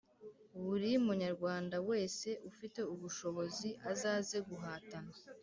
Buri munyarwanda wese ufite ubushobozi azaze guhatana